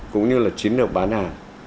cũng như là chính được bán hàng